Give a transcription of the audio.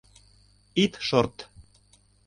Ит шорт.